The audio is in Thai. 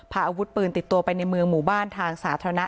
พาอาวุธปืนติดตัวไปในเมืองหมู่บ้านทางสาธารณะ